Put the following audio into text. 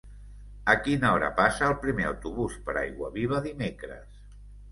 A quina hora passa el primer autobús per Aiguaviva dimecres?